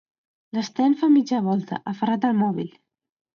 L'Sten fa mitja volta, aferrat al mòbil.